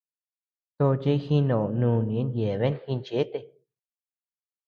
Tochi jino nùni yeaben ji ginchéte.